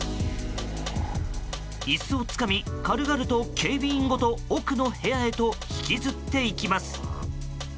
椅子をつかみ、軽々と警備員ごと奥の部屋へと引きずっていきます。